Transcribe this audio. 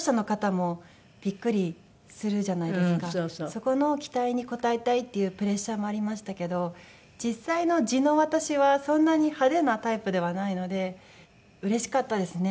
そこの期待に応えたいっていうプレッシャーもありましたけど実際の地の私はそんなに派手なタイプではないのでうれしかったですね